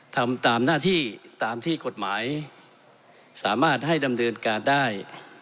ทำตามหน้าที่ตามที่กฎหมายสามารถให้ดำเนินการได้